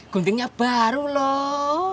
guntingnya baru loh